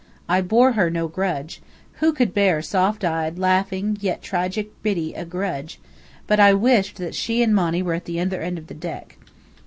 I bore her no grudge who could bear soft eyed, laughing, yet tragic Biddy a grudge? but I wished that she and Monny were at the other end of the deck.